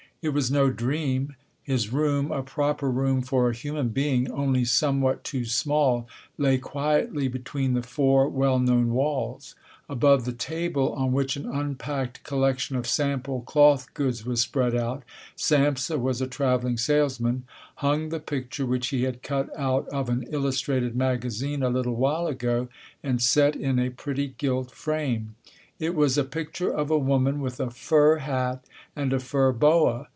It was no dream. His room, a proper room for a human being, only somewhat too small, lay quietly between the four well known walls. Above the table, on which an unpacked collection of sample cloth goods was spread out—Samsa was a travelling salesman—hung the picture which he had cut out of an illustrated magazine a little while ago and set in a pretty gilt frame. It was a picture of a woman with a fur hat and a fur boa.